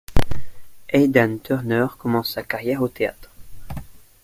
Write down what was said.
Aidan Turner commence sa carrière au théâtre.